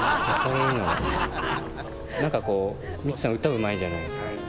なんかこう、ミッツさん、歌うまいじゃないですか。